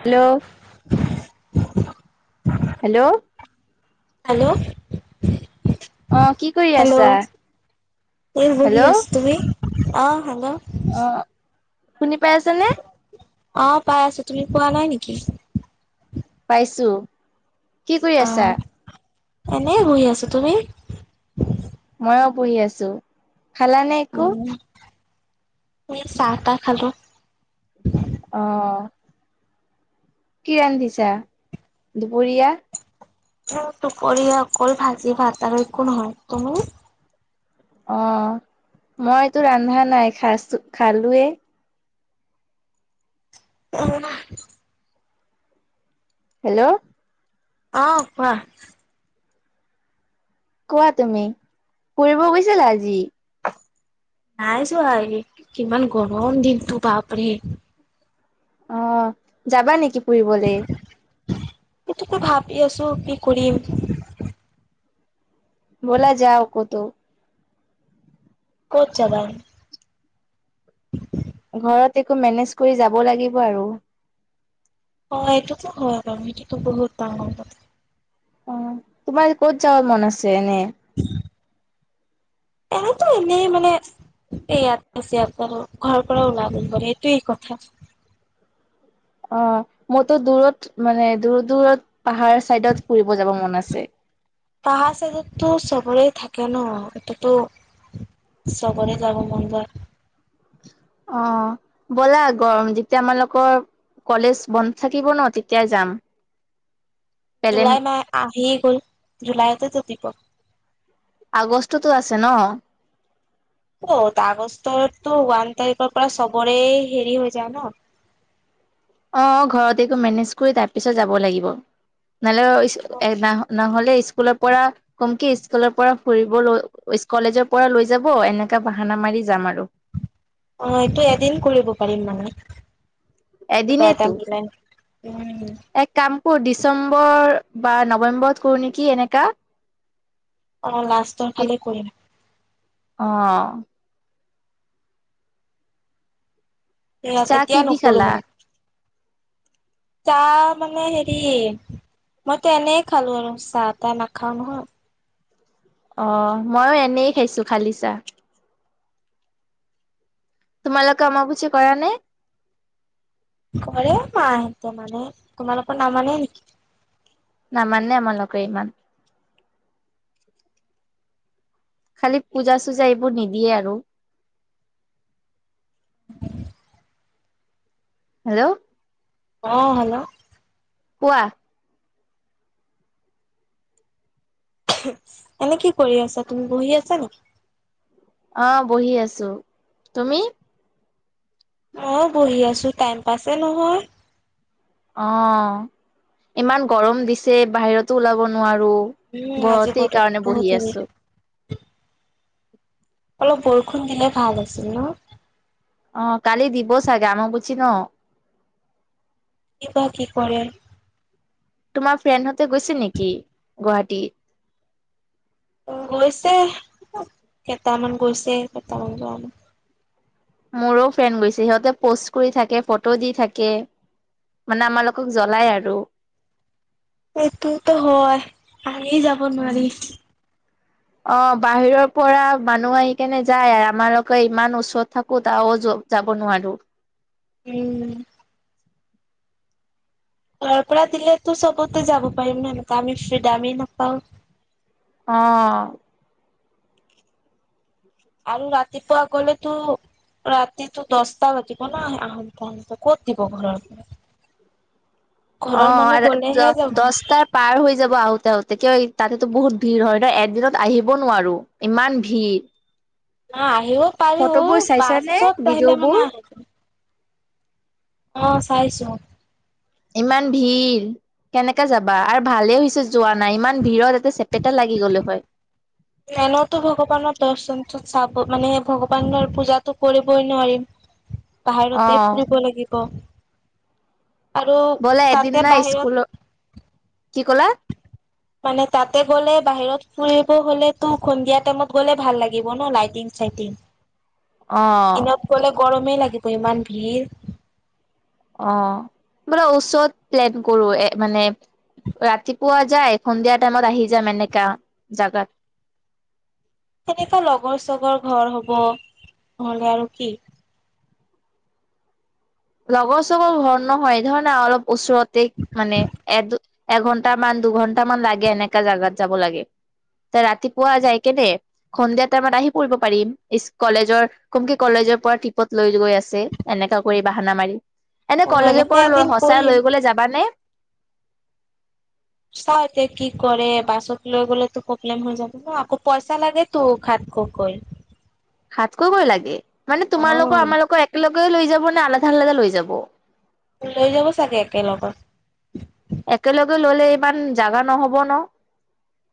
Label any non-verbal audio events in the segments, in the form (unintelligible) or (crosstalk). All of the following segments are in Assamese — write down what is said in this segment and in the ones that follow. হেল্লো' (inaudible) হেল্লো' (inaudible) হেল্লো' অ কি কৰি (inaudible) হেল্লো' আছা এই বহি হেল্ল' আছো তুমি অ হা অ শুনি পাই আছে নে অ পাই আছো তুমি পোৱা নাই নেকি (inaudible) পাইছো কি কৰি অ আছা এনেই বহি আছো তুমি (inaudible) মইয়ো পঢ়ি আছো খালাানে একো উম চাহ খালো (inaudible) অ কি ৰান্ধিছা দুপৰীয়া টুপৰি অকল ভাজি ভাত আৰু একো নহয় তুমি অ মইতটো ৰন্ধা নাই খাই খালয়ে উ হেল্ল' অহ কোৱা কোৱা তুমি ফুৰিব গৈছিলা আজি নাই যোৱা কিমান গৰম দিনতো বাপৰে অহ যাবা নেকি ফুৰিবলে সেইটোকে ভাবি আছো কি কৰিম বলা যাও কতো ক'ত যাবা ঘৰত একো মেনেজ কৰি যাব লাগিব আৰু অ এইটোতো হয় সেইটোতো বহুত ডাঙৰ কথা অ তোমাৰ ক'ত যাবাৰ মন আছে এনে (inaudible) এনেতো এনেই মানে এই ইয়াত (unintelligible) এইটোয়েই কথা। (inaudible) অ মইতো দূৰত মানে দূৰ-দূৰত পাহাৰ চাইডত ফুৰিব যাব মন আছে। (inaudible) পাহাৰ চাইদতো চবৰে থাকে ন' এটোতো চবৰে যাব মন যায়। অ ব'লা গৰম যেতিয়া আমালোকৰ কলেজ বন্ধ্ থাকিব ন' তেতিয়াই যাম। পেলেন জুলাই মাহ আহিয়েই গ'ল। জুলাইততে দিব। আগষ্টতো আছে ন'! ক'ত আগষ্টততো ওৱান তাৰিখৰ পৰা চবৰে হেৰি হৈ যায় ন'! অ ঘৰত এইটো মেনেজ কৰি তাৰ পিছত যাব লাগিব। (unintelligible) ইস্কুলৰ পৰা কম কি ইস্কুলৰ পৰা ফুৰিব লৈ কলেজৰ পৰা লৈ যাব এনেকা বাহান না মাৰি যাম আৰু। অ এইটো এদিন কৰিব পাৰিম মানে। কিবা এদিনেতো এটা মিলাই, উম। উ ডিচেম্বৰ বা নৱেম্বৰত কৰো নেকি এনেকা। অ লাষ্টৰ ফালে কৰিম। অ। সেয়াত চাহ এতিয়া কিদি নকৰো খালা? মানে। তাহ মানে হেৰি মইতো এনে খালো আৰু চাহ-তাহ নাখাওঁ নহয়। অ' মইয়ো এনেই খাইছো, খালি চাহ। তোমালোকে অম্বুবাচী কৰা নে? কৰে মাহেঁতে মানে। তোমালোকৰ নামানে নেকি? মানে আমাৰলোকে ইমান। খালি পূজা-চূজা এইবোৰ নিদিয়ে আৰু। হেল্ল'! অ' হেল্ল'! কোৱা। এনে কি কৰি আছা তুমি, বহি আছা নেকি? আহ, বহি আছো। তুমি? মইয়ো বহি আছো, টাইম পাছে নহয়। অ' ইমান গৰম দিছে বাহিৰতো ওলাব নোৱাৰো। উম আৰু আজি ঘৰতেই বতৰটো সেইকাৰণে বহুত বহি হেৰি আছো। অলপ বৰষুণ দিলে ভাল আছিল ন। অহ, কালি দিব চাগে অম্বুবাচী ন। কি বা কি কৰে? তোমাৰ ফ্ৰেণ্ডহ'তে গৈছে নেকি গুৱাহাটীত? উম, গৈছে কেইটামান গৈছে, কেইটামান যোৱা নাই। মোৰো ফ্ৰেণ্ড গৈছে সিহঁতে প'ষ্ট কৰি থাকে, ফটো দি থাকে। মানে আমালোকক জ্বলাই আৰু। সেইটোতো হয় আহমি যাব উম নোৱাৰি। (inaudible) অ', বাহিৰৰ পৰা মানুহ আহি কেনে যায় আৰু আমাৰোকে ইমান ওচৰত থাকোঁ তাও যো যা যাব নোৱাৰোঁ। উম। ঘৰ পৰা দিলেটো চবতে যাব পাৰিম সনেকা আমি ফ্ৰীডামেই নাপাওঁ। অহ। আৰু ৰাতিপুৱা গ'লেটো ৰাতিটো দশটা বাজিব ন' আহন আহোতে ক'ত দিব ঘৰৰ পৰা। ঘৰৰ মানুহ অ', গলেহে যাব দশটাৰ পাৰ হৈ যাব আহোতে আহোতে কিয় তাতেটো বহুত ভিৰ হয় ন' এদিনত আহিব নোৱাৰোঁ ইমান ভিৰ। না আহিব ফটো পাৰোঁ নে পাছত আহিলে ভিডিঅ'বোৰ মানে আহি অ', চাইছোঁ। ইমান ভিৰ। কেনেকে যাবা আৰু ভালেই হৈছে যোৱা নাই ইমান ভিৰত এতে চেপেটা লাগি গ'লো হয়। এনেওটো ভগৱানৰ দৰ্শন চত চাব মানে ভগৱানৰ পূজাটো কৰিবই নোৱাৰিম। (inaudible) বাহিৰতে ফুৰিব লাগিব। আৰু ব'লা এদিন তাতে না বাহিৰত স্কুলত, কি ক'লা? মানে তাতে গ'লে বাহিৰত ফুৰিব হ'লেতো সন্ধিয়া টাইমত গ'লে ভাল লাগিব ন' লাইটিং (unintelligible) অ'। দিনত গ'লে গৰমেই লাগিব ইমান ভিৰ। অ', বোলো ওচৰত প্লেন কৰোঁ এ মানে ৰাতিপুৱা যায় সন্ধিয়া টাইমত আহি যাম এনেকা জাগাত। সনেকা লগৰ চগৰ ঘৰ হ'ব, নহ'লে আৰু কি? লগৰ চগৰ ঘৰ নহয় ধৰণে অলপ ওচৰতে মানে এদ এঘন্টামান দুঘন্টামান লাগে এনেকা জাগাত যাব লাগে। তে ৰাতিপুৱা যায় কেনে সন্ধিয়া টাইমত আহি পঢ়িব পাৰিম, ইচ কলেজৰ কম কি কলেজ লেজৰ পৰা ট্ৰিপত লৈ গৈ আছে, এনেকা কৰিম। বাহানা মাৰি, এনে অ কলেজৰ এনেকে পৰা লৈ এদিন সঁচাই কৰিম লৈ গ'লে যাবা নে? চাওঁ এতিয়া কি কৰে বাছত লৈ গ'লেটো প্ৰব্লেম হৈ যাব ন' আকৌ পইচা লাগেটো সাত শ কৈ। সাতশকৈ লাগে মানে তোমাৰ লগৰ আমালোকৰ একেলগ কৈ লৈ যাব নে আলাধা লৈকে লৈ যাব? লৈ যাব চাগে একেলগত। একেলগে ল'লে ইমান জাগা নহ'ব ন'।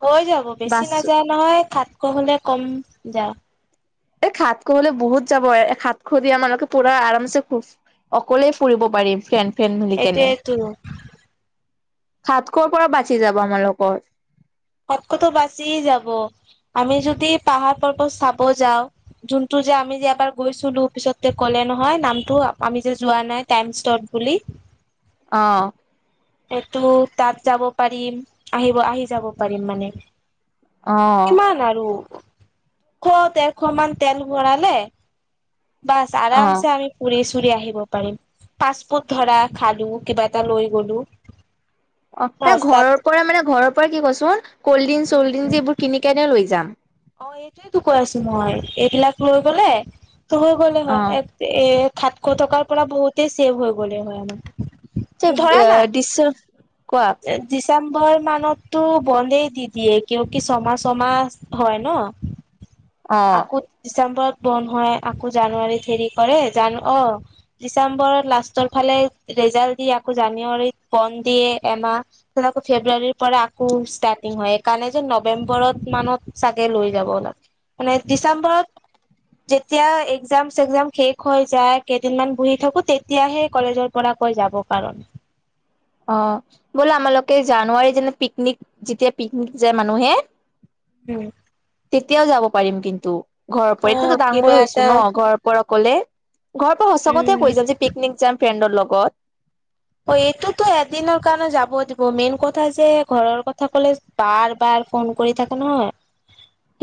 হৈ যাব বেছি বাছ নাযায় নহয় সাতশ হ'লে কম যাওঁ। এই সাতশ হ'লে বহুত যাব সাতশ দিয়া আমালোকে পুৰা আৰামছে খুব অকলে ফুৰিব পাৰিম, ফেন ফেন বুলি কেনে। এইটোয়েতো সাতশৰ পৰা বাচি যাব আমালোকৰ। ক'ত ক'ত বাচি যাব। আমি যদি পাহাৰ পৰ্বত চাব যাওঁ যোনটো যে আমি যে এবাৰ গৈছিলোঁ, পিছততে ক'লে নহয়, নামটো আমি যে, যোৱা নাই টাইমচত বুলি। অ'। সেইটো তাত যাব পাৰিম আহিব আহি যাব পাৰিম মানে। অ কিমান আৰু দুশ তেৰশ মান তেল ভৰালে। বাস অ আৰামছে আমি পুৰিছো ফুৰি আহিব পাৰিম পাচপৰ্ট ধৰা খালো কিবা এটা লৈ গলো। অ' বাছ ঘৰ তাত পৰা মান ঘৰৰ পৰা কি কৈছোন কল্ড্ৰিং ল্ড ড্ৰিং উম এইবোৰ কিনি কেনে লৈ যাম অ' এইটোয়ো কৈ আছো মই এইবিলাক লৈ গলে হৈ গ'লে অ হয় এ খাট খ থকাৰ পৰা বহুতেই চছেভ হৈ গ'লে হয় আমাৰ। চ দিচ তে দি ডিচেম্বৰ মানততো বন্ধেই দি দিয়ে কিয় কি ছমাহ চমাহ হয় ন। অ আকৌ ডিচেম্বৰত বন্ধ হয় আকৌ জানুৱাৰীত হেৰি কৰে জান অ ডিচেম্বৰত লাষ্টৰ ফালে ৰিজাল্ট দি আকৌ জানুৱাৰীত বন দিয়ে। এমাহ আকৌ ফেব্ৰুৱাৰীৰ পৰা আকৌ ষ্টাৰ্টিং হয় সেইকাৰণে যে নৱেম্বৰত মানত চাগে লৈ যাব অলপ মানে ডিচেম্বৰত যেতিয়া এক্জাম চেগজাম শেষ হৈ যায় কেইদিনমান বহি থাকো তেতিয়াহে কলেজৰ পৰা ৈ যাব পাৰো। (inaudible) অ' বোল আমালোকে জানুৱাৰী যেনে পিকনিক যেতিয়া পিকনিক যায় মানুহে উম। তেতিয়াও যাব পাৰিম কিন্তু ঘৰৰ অ এতিাতো ডাঙৰ কিবা হৈছো এটা ন ঘৰৰ পৰা অকলে। ঘৰৰ পৰা সঁচা কথা উম কৈ যাম যে পিকনিক যাম ফ্ৰেণ্ডৰ লগত। অ' এইটোতো এদিনৰ কাৰণে যাব দিব মেইন কথা যে ঘৰৰ কথা কলে বাৰ বাৰ ফোন কৰি থাকে নহয়।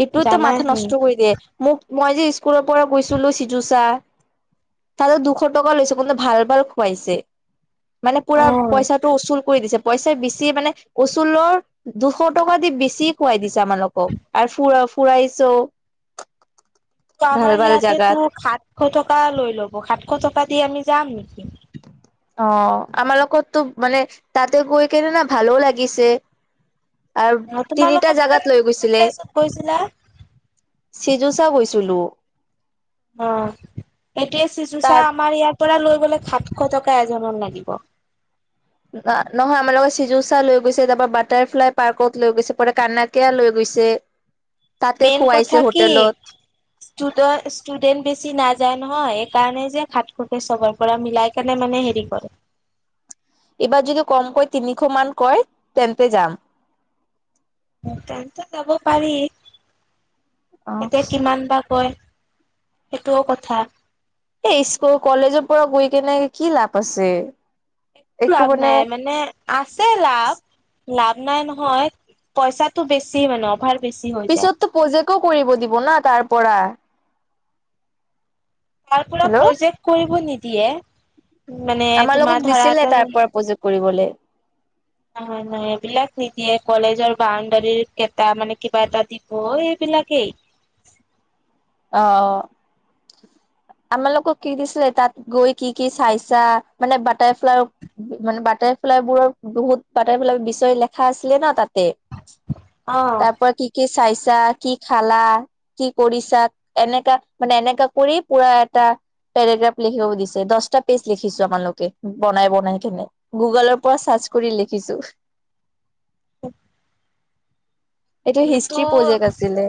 সটোতো জানাই মাথা চোন নষ্ট কৰি দিয়ে মোক মই যে স্কুলৰ পৰা গৈছিলো চিজুচা। তাতে দুশ টকা লৈছে ক ভাল ভাল খুৱাইছে। মানে পুৰা অ পইচাটো উচুল কৰি দিছে। পইচা বেছি মানে কচুলৰ দুশ টকা দি বেছি খুৱাই দিছে আমালোকক। আৰু ফুৰা ফুৰাইছো। ত আমাৰ ইয়াতে তো সাতশ টকা লৈ ল'ব সাতশ টকা দি আমি যাম নেকি। অ' আমাৰ লগততো মানে তাতে গৈ কিনে না ভালো লাগিছে। আৰু অ তিনিটা তোমালোকৰ তাত জাগাত লৈ কোনটো গৈছিলে। প্লেছত গৈছিলা চিযুচা গৈছিলোঁ। অ' সেইটোৱে চিচুচা তাৰ আমাৰ ইয়াত পৰা লৈ গলে সাতশ টকা এজনত লাগিব। নহয় আমাৰ লগত চিজুচা লৈ গৈছে তাৰ পৰাৰা বাটাৰফ্লাই পাৰ্কত লৈ গৈছে প কানাকিয়া লৈ গৈছে। গৈছে। মেইন কথা কি ু ষ্টুডেট বেছি নাই যায় নহয় সেইকাৰণে যে খাত খুকে চবৰ পৰা মিলাই কেনে মানে হেৰি কৰে। এইবাৰ যদি কমকৈ তিনিশ মান কয় তেন্তে যাম। তে যাব পাৰি অ এতিয়া কিমান বা কয় সেইটোও কথা। এই স্কুল কলেজৰ পৰা গৈ কেনে কি লাভ আছে। একো লাভ নাই মানে আছে লাভ। লাভ নাই নহয় পইচাটো বেছি মানে অভাৰ। বেছি হৈ যায় পিছততো পজেকো কৰিব দিব না তাৰ পৰা। তাৰ পৰা হেল্ল' প্ৰজেক্ট কৰিব নিদিয়ে। মানে আমাৰ তোমাৰ লগক দিছিলে ধৰাত অ তাৰ পৰা প্ৰজেক্ট কৰিবলে নাই এইবিলাক নিদিয়ে। কলেজৰ বাউণ্ডাৰী কটা মানে কিবা এটা দিব এইবিলাকেই। অহ। আমালোকক কি দিছিলে তাত গৈ কি কি চাইছা মানে বাটাৰফ্লাইৰ মানে বাটাৰ। লাই বোৰৰ বহুত বাটাৰফ্লাই বিষয়ে লিখা আছিলে নহ তাত। অ তাৰ পৰা কি কি চাইছা কি খালা কি কৰিছা। এনেকা মানে এনেকা কৰি পুৰা এটা। পেৰাগ্ৰাফ লিখিব দিছে দহটা পেজ লিখিছোঁ আমালোকে বনাই বনাই কেনে গুগলৰ পৰা চাৰ। ৰ্জ কৰি লিখিছোঁ। অ। এইটো আমিতো হিষ্ট্ৰী প্ৰজেক্ট আছিলে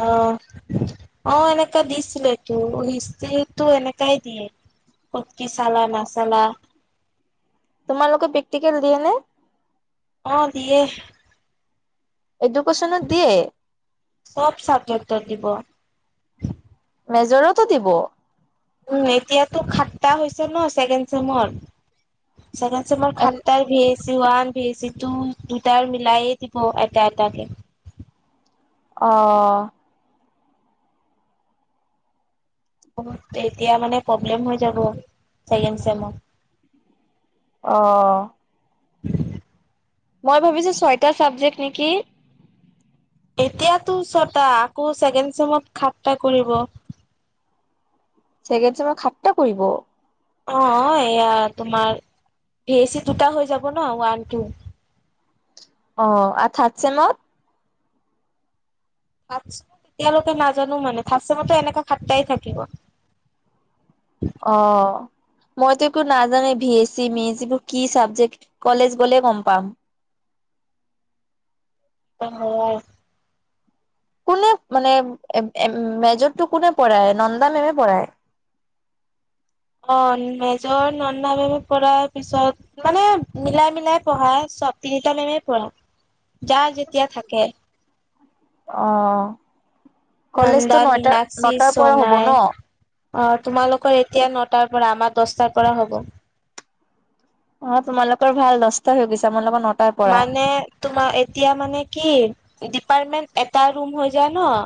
অহ। অ এনেকা দিছিলে তোৰ হিষ্ট্ৰীটো এনেকাই দিয়ে। কি চালা নাচালা। তোমালোকে প্ৰেক্টিকেল দিয়ে নে। অ দিয়ে। এডুকেশ্যনত দিয়ে চব চাবজেক্টৰ দিব। মেজৰতো দিব। উম এতিয়াতো সাতটা হৈছে নহ ছেকেণ্ড চেমৰ। ছেকেণ্ড ছেমৰ এ সাতটা ভী। অৱান ভিইচি তু দুটাৰ মিলায়েই দিব এটা এটাকে। অ। এতিয়া মানে প্ৰব্লেম হৈ যাব ছেকেণ্ড চেমত। অ। উম। মই ভাবিছোঁ ছয়টা চাবজেক্ট নেকি। এতিয়াতো ছটা আকৌ ছেকেণ্ড চেমত সাতটা কৰিব। ছেকেণ্ড ছেমত সাতটা কৰিব। অ এয়া তোমাৰ ভিইচি দুটা হৈ যাব না ওৱান টু। অ আৰু থাৰ্ড ছেমত। (unintelligible) এতিয়ালৈকে নাজানো মানে থাৰ্ড ছেমটো এনেকাই সাতটাই থাকিব। অ। মইতো একো নাজানে ভিএছি মিএচি এইবোৰ কি চাবজেক্ট কলেজ গ'লে গম পাম। (inaudible) (unintelligible) কোনে মানে মেজৰটো কোনে পঢ়ায় নন্দা মেম এ পঢ়ায়। (inaudible) অ মেজৰ নন্দ মেম এ পঢ়াই পিছত মানে মিলাই মিলাই পঢ়াই। চব তিনিটা মেমে পঢ়াই যাৰ যেতিয়া থাকে। অ। কলেজতো নন্দা নয়টা মীনাক্ষী নটাৰ পৰা হ'ব ন চনাই অ তোমালোকৰ এতিয়া নহ। টাৰ পৰা আমাৰ দহটাৰ পৰা হব। অ তোমালোকৰ ভাল দহটা হৈ গৈছা আমালোকৰ ন। মানে তোমাৰ এতিয়া মানে কি। ডিপাৰ্টমেণ্ট এটা ৰুম হৈ যায় নহ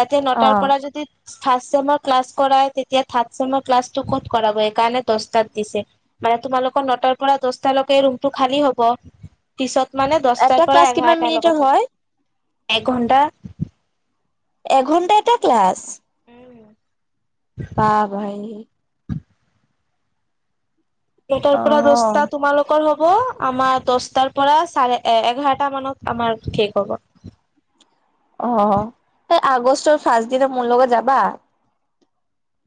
তাতে অ নটাৰ পৰা যদি। ফাষ্ট ছেমৰ ক্লাছ কৰাই তেতিয়া থাৰ্ড ছেমৰ ক্লাছটো ক'ত কৰাব সেইকাৰণে দহটাত দিছে। মান তোমালোকৰ নটাৰ পৰা দহটালৈকে ৰুমটো খালী হ'ব। পিছত মানে দহটাৰ এটা পৰা ক্লাছ কিমান এঘাৰটাৰ মিনিটৰ লগত হয় হ'ব এঘন্টা। এঘন্টা এটা ক্লাছ। উম বাহ ভাই। নটাৰ পৰা দহটা অ তোমালোকৰ হব। হ আমাৰ দছটাৰ পৰা চাৰে এঘাৰটা মানত আমাৰ ঠিক হব অ এই আগষ্টৰ ফাৰ্ষট দিিন মোৰ লগোকে যাবা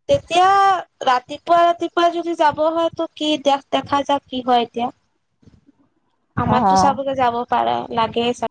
তেতিয়া ৰাতিপুৱা ৰাতিপুৱা যদি যাব হয়তটো কি দে দেখা যাক কি হয় এতিয়া য়া (unintelligible) আমাৰতো অ চাবকে যাব পাৰো লাগে চ